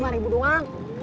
lima ribu doang